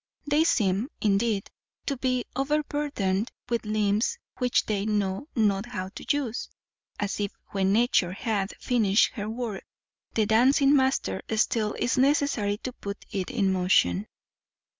They seem, indeed, to be overburthened with limbs which they know not how to use, as if, when Nature hath finished her work, the dancing master still is necessary to put it in motion.